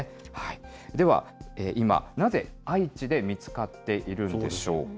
では、今、なぜ愛知で見つかっているんでしょうか。